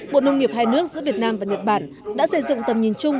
bộ nông nghiệp hai nước giữa việt nam và nhật bản đã xây dựng tầm nhìn chung